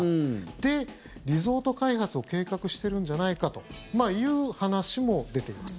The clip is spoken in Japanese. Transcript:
で、リゾート開発を計画してるんじゃないかという話も出ています。